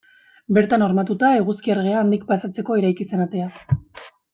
Bertan hormatuta, Eguzki Erregea handik pasatzeko eraiki zen atea.